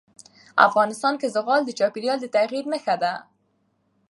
افغانستان کې زغال د چاپېریال د تغیر نښه ده.